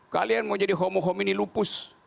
kalian mau jadi homo homini lupus